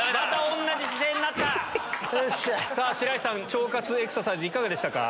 腸活エクササイズいかがでしたか？